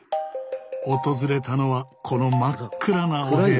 訪れたのはこの真っ暗なお部屋。